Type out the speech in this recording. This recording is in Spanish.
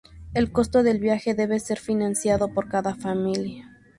El costo del viaje debe ser financiado por cada familia.